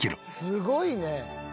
すごいね！